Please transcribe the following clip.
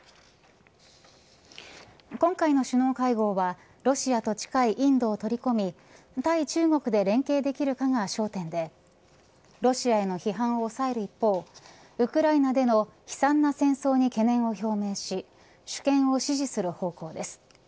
今回の首脳会合はロシアと近いインドを取り込み対中国で連携できるかが焦点でロシアへの批判を抑える一方ウクライナでの悲惨な戦争に懸念を表明し主権を支持する方向です。